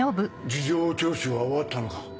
事情聴取は終わったのか？